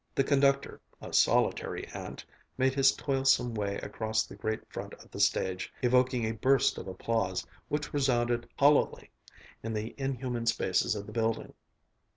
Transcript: The conductor, a solitary ant, made his toilsome way across the great front of the stage, evoking a burst of applause, which resounded hollowly in the inhuman spaces of the building.